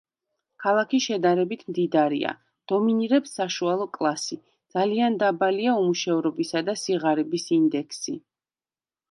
ქალაქი შედარებით მდიდარია, დომინირებს საშუალო კლასი, ძალიან დაბალია უმუშევრობისა და სიღარიბის ინდექსი.